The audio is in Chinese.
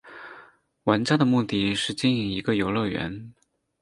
玩家的目的是经营一个游乐园。